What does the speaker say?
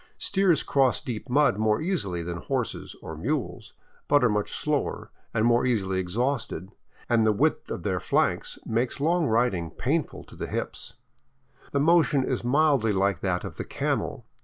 Steers cross deep mud more easily than horses or mules, but are much slower and more easily exhausted, and the width of their flanks makes long riding pain ful to the hips. The motion is mildly like that of the camel.